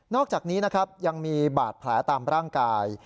อกจากนี้นะครับยังมีบาดแผลตามร่างกาย